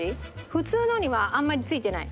普通のにはあんまり付いてない。